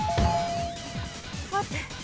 待って。